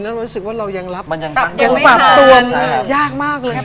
แล้วเรารู้สึกว่าเรายังรับยังปรับตัวยากมากเลย